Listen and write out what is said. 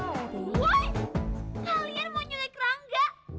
what kalian mau nyulik rangga